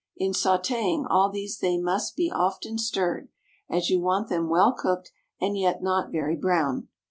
In sautéing all these they must be often stirred, as you want them well cooked and yet not very brown.